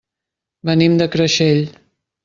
Venim de Creixell.